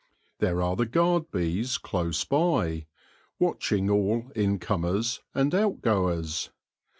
There are the guard bees close by, watch ing all in comers and out goers.